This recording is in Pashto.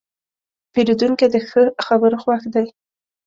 پیرودونکی د ښه خبرو خوښ دی.